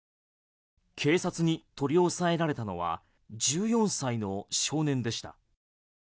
警察に取り押さえられたのは１４歳の少年でした。